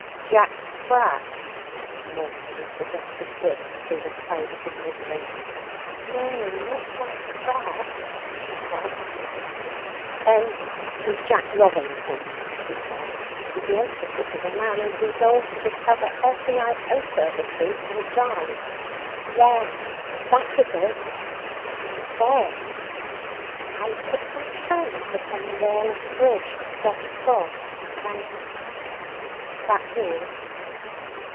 "Jack Sprat," mournfully suggested Dick through the cloud of his misery. "No, not Jack Sprat," she sobbed. "Then 'twas Jack Robinson!" he said, with the emphasis of a man who had resolved to discover every iota of the truth, or die. "Yes, that was it! And then I put my hand upon the rail of the bridge to get across, and That's all."